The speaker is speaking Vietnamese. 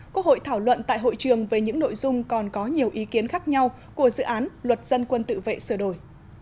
quốc hội thảo luận tại hội trường về những nội dung còn có nhiều ý kiến khác nhau của dự án luật dân quân tự vệ sửa đổi